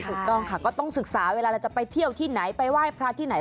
ถูกต้องค่ะก็ต้องศึกษาเวลาเราจะไปเที่ยวที่ไหนไปไหว้พระที่ไหน